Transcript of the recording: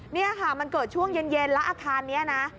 นี่ค่ะมันเกิดช่วงเย็นแล้วอาคารนี้นะ